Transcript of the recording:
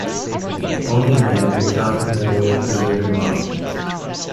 Owning land was often their way of preserving wealth.